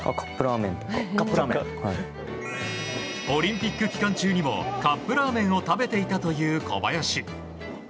オリンピック期間中にもカップラーメンを食べていたという小林。